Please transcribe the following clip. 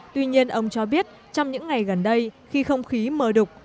tuy nhiên ông cho biết trong những ngày gần đây khi không khí mờ đục